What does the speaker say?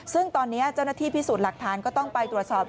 ซึ่งตอนนี้เจ้าหน้าที่พิสูจน์หลักฐานก็ต้องไปตรวจสอบ